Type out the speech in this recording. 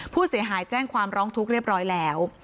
ผู้เสียหายแจ้งความร้องทุกข์เรียบร้อยแล้ว